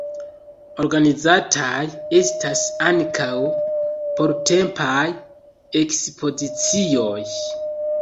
Organizataj estas ankaŭ portempaj ekspozicioj.